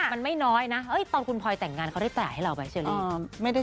มันไม่น้อยนะตอนคุณพลอยแต่งงานเขาได้ประหลาดให้เราไว้ใช่ไหม